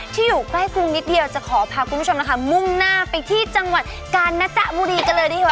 อยู่ใกล้กรุงนิดเดียวจะขอพาคุณผู้ชมนะคะมุ่งหน้าไปที่จังหวัดกาญนะจ๊ะบุรีกันเลยดีกว่า